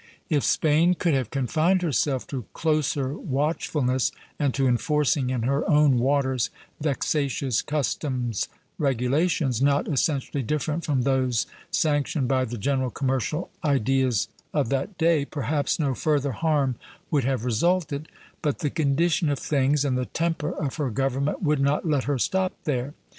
If Spain could have confined herself to closer watchfulness and to enforcing in her own waters vexatious customs regulations, not essentially different from those sanctioned by the general commercial ideas of that day, perhaps no further harm would have resulted; but the condition of things and the temper of her government would not let her stop there.